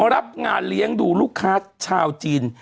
รับงานเลี้ยงดูลูกค้าชาวจีน